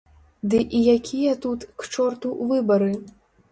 Ды і якія тут, к чорту, выбары?